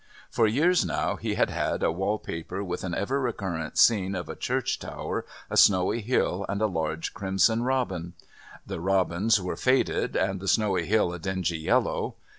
For years now he had had a wall paper with an ever recurrent scene of a church tower, a snowy hill, and a large crimson robin. The robins were faded, and the snowy hill a dingy yellow.